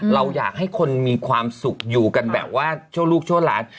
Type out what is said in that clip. เราอยากให้คนมีความสุขอยู่กันแบบว่าชั่วลูกชั่วหลาน